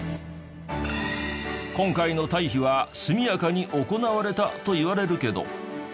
今回の退避は速やかに行われたといわれるけど。